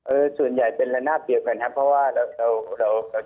เออส่วนใหญ่เป็นระนาบเดียวกันครับเพราะว่าเราเจอพวกนี้อยู่